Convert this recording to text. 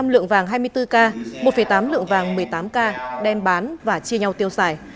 một mươi lượng vàng hai mươi bốn k một tám lượng vàng một mươi tám k đem bán và chia nhau tiêu xài